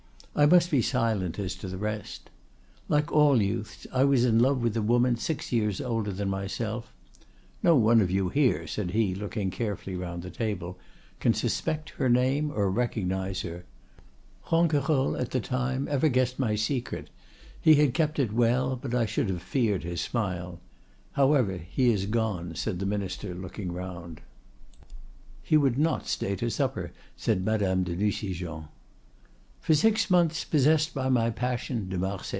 I must be silent as to the rest.—Like all youths, I was in love with a woman six years older than myself. No one of you here," said he, looking carefully round the table, "can suspect her name or recognize her. Ronquerolles alone, at the time, ever guessed my secret. He had kept it well, but I should have feared his smile. However, he is gone," said the Minister, looking round. "He would not stay to supper," said Madame de Nucingen.